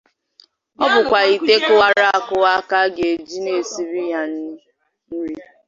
Ọ bụkwa ite kụwara akụwa ka a ga-eji na-esiri ya nri.